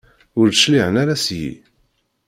Ur d-cliɛen ara seg-i?